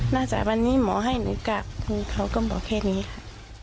จากวันนี้หมอให้หนูกลับเขาก็บอกแค่นี้ค่ะ